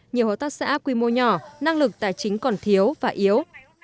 nhiều hợp tác xã quy mô nhỏ năng lực tài chính còn thiếu và yếu